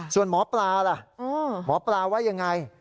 ส่วนหมอปลาล่ะหมอปลาว่ายังไง